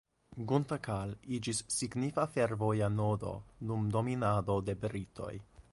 Guntakal iĝis signifa fervoja nodo dum dominado de britoj.